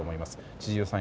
千々岩さん